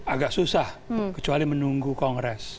agak susah kecuali menunggu kongres